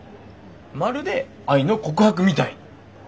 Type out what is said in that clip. まるで愛の告白みたいに。